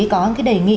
có cái đề nghị